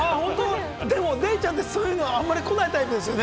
でもデイちゃんって、そういうのあんまり来ないタイプですよ